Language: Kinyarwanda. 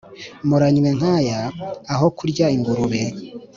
Muranywe nk'aya aho kurya ingurube